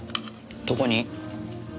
どこに？